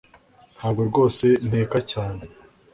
Ntabwo rwose nteka cyane